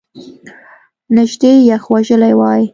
نژدې یخ وژلی وای !